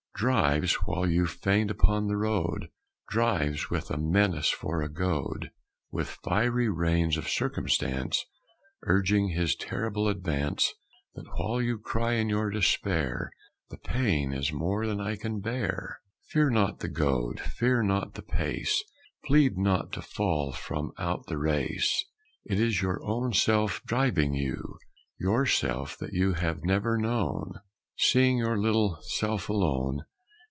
Drives, while you faint upon the road, Drives, with a menace for a goad; With fiery reins of circumstance Urging his terrible advance The while you cry in your despair, "The pain is more than I can bear!" Fear not the goad, fear not the pace, Plead not to fall from out the race It is your own Self driving you, Your Self that you have never known, Seeing your little self alone.